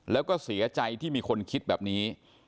แล้วก็เสียใจที่มีคนคิดแบบนี้